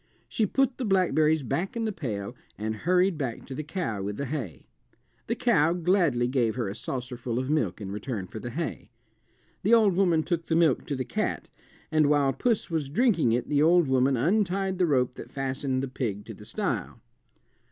She put the blackberries back in the pail and hurried back to the cow with the hay. The cow gladly gave her a saucerful of milk in return for the hay. The old woman took the milk to the cat, and while puss was drinking it the old woman untied the rope that fastened the pig to the stile.